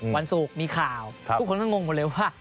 วันศูกย์มีข่าวทุกคนก็งงว่า